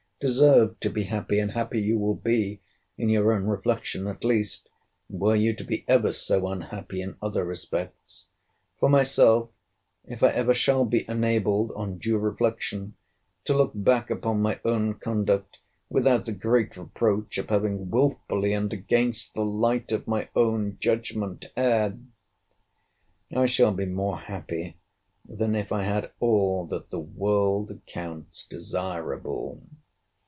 —Deserve to be happy, and happy you will be, in your own reflection at least, were you to be ever so unhappy in other respects. For myself, if I ever shall be enabled, on due reflection, to look back upon my own conduct, without the great reproach of having wilfully, and against the light of my own judgment, erred, I shall be more happy than if I had all that the world accounts desirable.